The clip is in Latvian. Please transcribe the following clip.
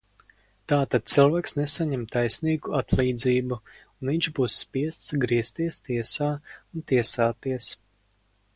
Tātad cilvēks nesaņem taisnīgu atlīdzību, un viņš būs spiests griezties tiesā un tiesāties.